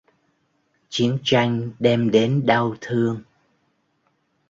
chiến tranh đem đến đau thương